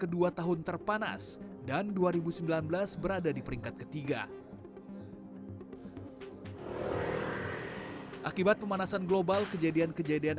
dua tahun terpanas dan dua ribu sembilan belas berada di peringkat ketiga akibat pemanasan global kejadian kejadian